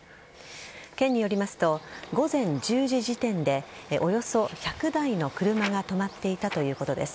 県によりますと午前１０時時点でおよそ１００台の車が止まっていたということです。